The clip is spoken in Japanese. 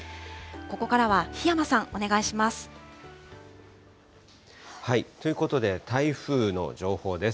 ここからは檜山さん、お願いしまということで、台風の情報です。